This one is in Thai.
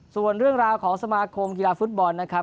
ส่วนเรื่องราวของสมาคมกีฬาฟุตบอลนะครับ